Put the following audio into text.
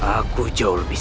aku jauh lebih